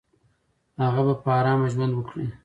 هغه به په آرامه ژوند وکړي.